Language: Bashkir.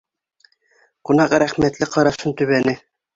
Ҡунаҡ рәхмәтле ҡарашын төбәне.